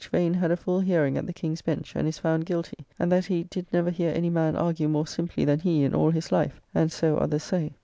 Vane had a full hearing at the King's Bench, and is found guilty; and that he did never hear any man argue more simply than he in all his life, and so others say.